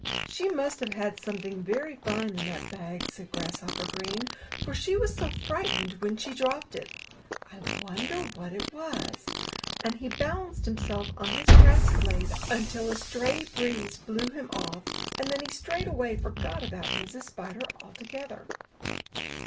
"She must have had something very fine in that bag," said Grasshopper Green, "for she was so fright ened when she dropped it. I wonder what it was" — and he balanced himself on his grass blade until a stray breeze blew him off, and then he straightway forgot about Mrs. Spider altogether.